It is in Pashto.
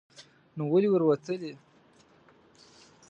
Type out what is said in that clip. نو ولې ور وتلې